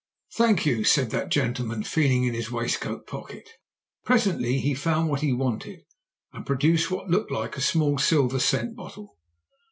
"'Thank you,' said that gentleman, feeling in his waistcoat pocket. Presently he found what he wanted and produced what looked like a small silver scent bottle.